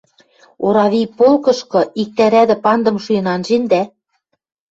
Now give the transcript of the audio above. орави полкышкы иктӓ рӓдӹ пандым шуэн анжендӓ?